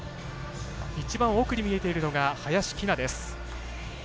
一番奥に見えているのが林希菜です。